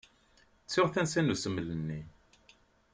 Ttuɣ tansa n usmel-nni.